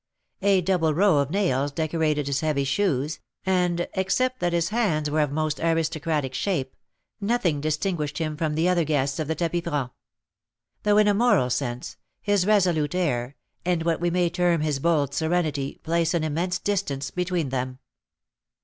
A double row of nails decorated his heavy shoes, and, except that his hands were of most aristocratic shape, nothing distinguished him from the other guests of the tapis franc; though, in a moral sense, his resolute air, and what we may term his bold serenity, placed an immense distance between them.